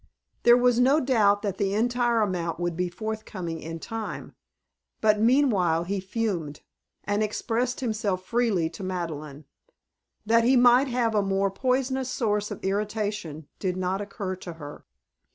There was no doubt that the entire amount would be forthcoming in time, but meanwhile he fumed, and expressed himself freely to Madeleine. That he might have a more poisonous source of irritation did not occur to her.